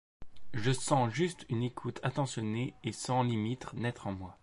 Je sens juste une écoute attentionnée et sans limite naître en moi.